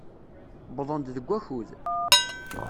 Wwḍen-d deg wakud.